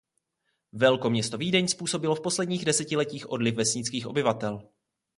Velkoměsto Vídeň způsobilo v posledních desetiletích odliv vesnických obyvatel.